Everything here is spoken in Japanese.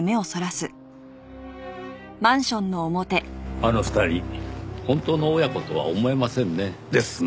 あの２人本当の親子とは思えませんね。ですね。